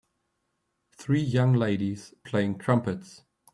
Three young ladies playing trumpets.